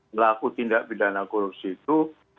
melakukan tindak pidana korupsi itu